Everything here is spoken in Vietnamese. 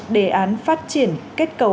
đề án phát triển kết cấu